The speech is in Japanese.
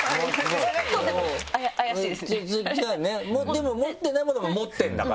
でも持ってないものも持ってるんだからスゴい人。